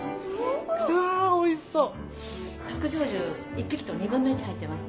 うわおいしそう「特上重」１匹と２分の１入ってます